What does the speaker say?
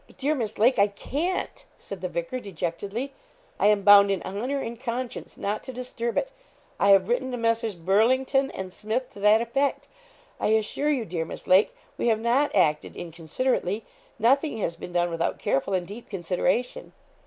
'But, dear Miss Lake, I can't,' said the vicar, dejectedly; 'I am bound in honour and conscience not to disturb it I have written to Messrs. Burlington and Smith to that effect. I assure you, dear Miss Lake, we have not acted inconsiderately nothing has been done without careful and deep consideration.'